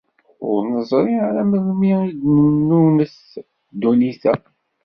Ur neẓri ara melmi i d-tennunet ddunit-a.